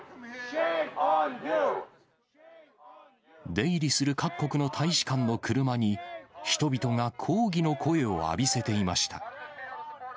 出入りする各国の大使館の車に、人々が抗議の声を浴びせていました。